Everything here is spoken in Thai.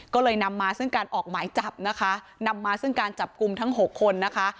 ก็เลยนำมาซึ่งการออกหมายจับนะคะนำมาซึ่งการจับกลุ่มทั้ง๖คนนะคะ